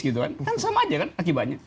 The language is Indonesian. kan sama aja kan akibatnya